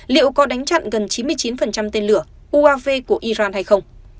liệu có đánh chặn gần chín mươi chín tên lửa uav của iran hay không